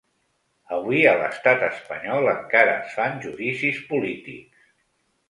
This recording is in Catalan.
Avui, a l’estat espanyol, encara es fan judicis polítics.